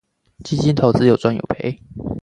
基金投資有賺有賠